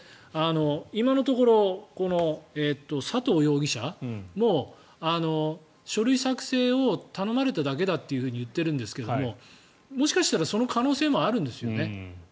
今のところ、佐藤容疑者も書類作成を頼まれただけだって言っているんですけどもしかしたらその可能性もあるんですよね。